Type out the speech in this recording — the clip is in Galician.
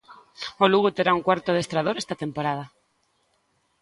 O Lugo terá un cuarto adestrador esta temporada.